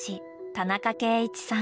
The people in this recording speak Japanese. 田中敬一さん。